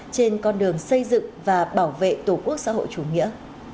trên con đường xây dựng và bảo vệ tổ quốc xã hội chủ nghĩa